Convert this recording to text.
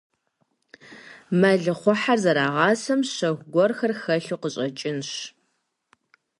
Мэлыхъуэхьэр зэрагъасэм щэху гуэрхэр хэлъу къыщӀэкӀынщ.